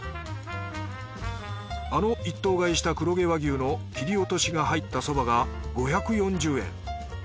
あの１頭買いした黒毛和牛の切り落としが入ったそばが５４０円。